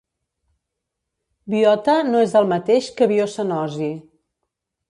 Biota no és el mateix que biocenosi.